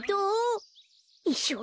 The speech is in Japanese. いっしょう